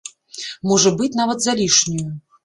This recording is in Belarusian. Можа быць, нават залішнюю.